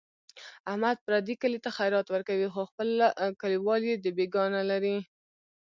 احمد پردي کلي ته خیرات ورکوي، خو خپل کلیوال یې دبیګاه نه لري.